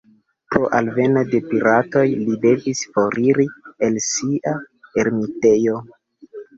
Pro alveno de piratoj, li devis foriri el sia ermitejo.